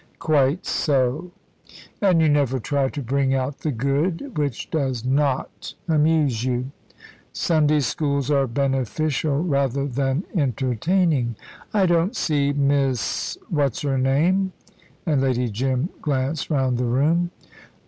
"Quite so, and you never try to bring out the good which does not amuse you. Sunday schools are beneficial rather than entertaining. I don't see Miss what's her name?" and Lady Jim glanced round the room.